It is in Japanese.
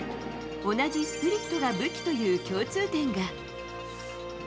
同じスプリットが武器という共通点が。